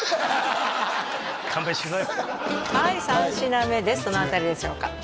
はい三品目ですどの辺りでしょうか？